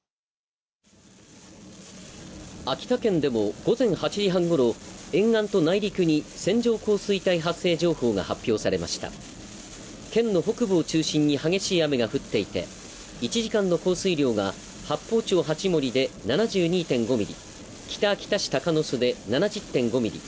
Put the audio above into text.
秋田県でも午前８時半ごろ沿岸と内陸に線状降水帯発生情報が発表されました県の北部を中心に激しい雨が降っていて１時間の降水量が八峰町八森で７２．５ミリ北秋田市鷹巣で７０．５ミリ